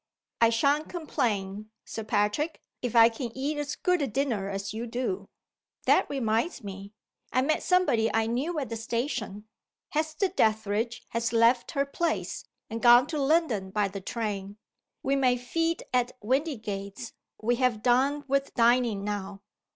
"I sha'n't complain, Sir Patrick, if I can eat as good a dinner as you do." "That reminds me! I met somebody I knew at the station. Hester Dethridge has left her place, and gone to London by the train. We may feed at Windygates we have done with dining now.